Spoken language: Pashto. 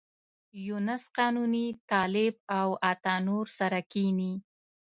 یونس قانوني، طالب او عطا نور سره کېني.